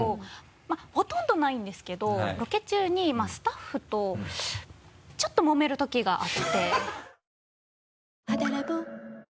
まぁほとんどないんですけどロケ中にスタッフとちょっともめるときがあって。